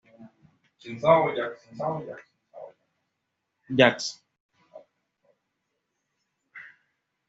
Está integrado en la mancomunidad de Municipios "Campiña Sur".